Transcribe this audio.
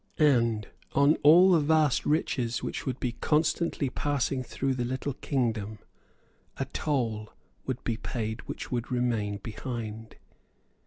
And on all the vast riches which would be constantly passing through the little kingdom a toll would be paid which would remain behind.